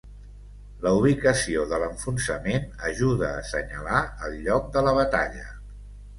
La ubicació de l"enfonsament ajuda a senyalar el lloc de la batalla.